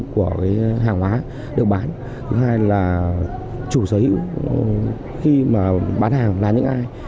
của hàng hóa được bán thứ hai là chủ sở hữu khi mà bán hàng là những ai